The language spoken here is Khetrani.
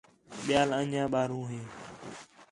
ٻِیال انڄیاں ٻاہرو ہے